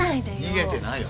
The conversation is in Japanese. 逃げてないよ。